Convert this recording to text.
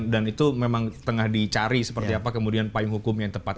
dan itu memang tengah dicari seperti apa kemudian payung hukum yang tepat